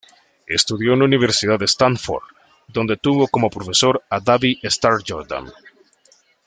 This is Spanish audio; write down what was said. Estudió en la Universidad de Stanford, donde tuvo como profesor a David Starr Jordan.